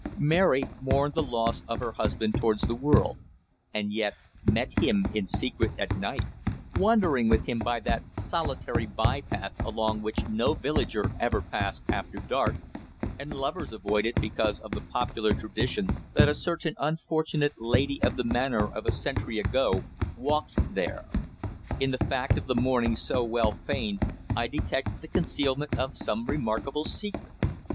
Mary mourned the loss of her husband towards the world, and yet met him in secret at night wandering with him by that solitary bye path along which no villager ever passed after dark, and lovers avoided because of the popular tradition that a certain unfortunate Lady of the Manor of a century ago "walked" there. In the fact of the mourning so well feigned I detected the concealment of some remarkable secret.